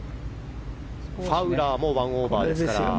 ファウラーも１オーバーです。